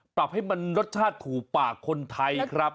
ปรับให้มันรสชาติถูกปากคนไทยครับ